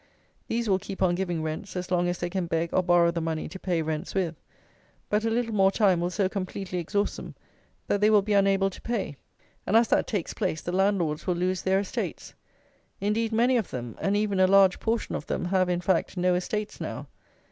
These will keep on giving rents as long as they can beg or borrow the money to pay rents with. But a little more time will so completely exhaust them that they will be unable to pay; and as that takes place, the landlords will lose their estates. Indeed many of them, and even a large portion of them, have, in fact, no estates now.